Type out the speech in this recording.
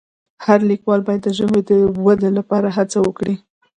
هر لیکوال باید د ژبې د ودې لپاره هڅه وکړي.